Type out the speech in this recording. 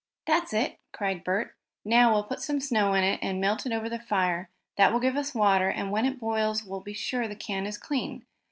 "That's it!" cried Bert. "Now we'll put some snow in it, and melt it over the fire. That will give us water, and when it boils we'll be sure the can is clean.